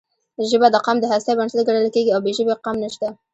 ژبه د قام د هستۍ بنسټ ګڼل کېږي او بې ژبې قام نشته.